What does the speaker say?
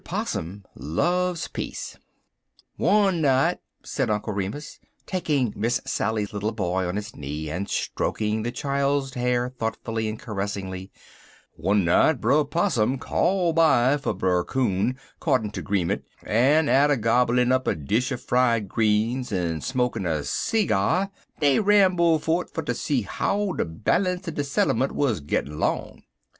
POSSUM LOVES PEACE "ONE night," said Uncle Remus taking Miss Sally's little boy on his knee, and stroking the child's hair thoughtfully and caressingly "one night Brer Possum call by fer Brer Coon, 'cordin' ter 'greement, en atter gobblin' up a dish er fried greens en smokin' a seegyar, dey rambled fort' fer ter see how de ballance er de settlement wuz gittin' long.